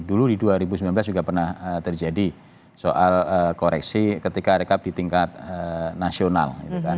dulu di dua ribu sembilan belas juga pernah terjadi soal koreksi ketika rekap di tingkat nasional